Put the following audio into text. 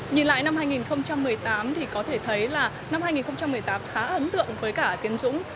nhìn lại năm hai nghìn một mươi tám thì có thể thấy là năm hai nghìn một mươi tám khá ấn tượng với cả tiến dũng